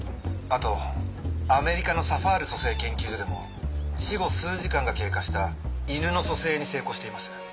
あとアメリカのサファール蘇生研究所でも死後数時間が経過した犬の蘇生に成功しています。